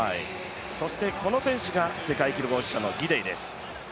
そしてこの選手が世界記録保持者のギデイです。